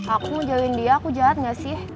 aku mau jalin dia aku jahat gak sih